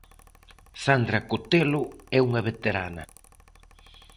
Sandra Cotelo é unha veterana.